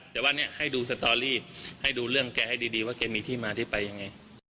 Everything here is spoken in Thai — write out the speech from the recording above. แต่ว่าเนี่ยให้ดูสตอรี่ให้ดูเรื่องแกให้ดีว่าแกมีที่มาที่ไปยังไง